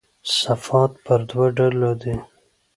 صفات پر دوه ډوله دي.